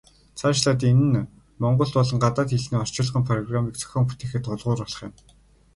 Цаашлаад энэ нь монгол болон гадаад хэлний орчуулгын программыг зохион бүтээхэд тулгуур болох юм.